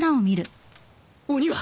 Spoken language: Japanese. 鬼は！？